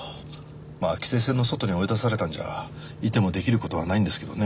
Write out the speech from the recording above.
まあ規制線の外に追い出されたんじゃいても出来る事はないんですけどね。